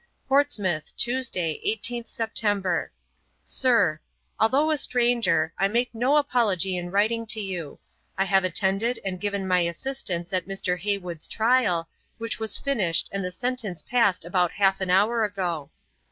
'Portsmouth, Tuesday, 18th September. 'SIR, Although a stranger, I make no apology in writing to you. I have attended and given my assistance at Mr. Heywood's trial, which was finished and the sentence passed about half an hour ago.